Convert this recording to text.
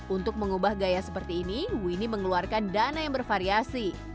untuk mengubah gaya seperti ini winnie mengeluarkan dana yang bervariasi